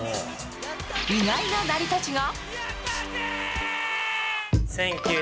意外な成り立ちが。